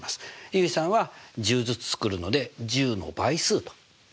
結衣さんは１０ずつ作るので１０の倍数というのを使ってるんですね。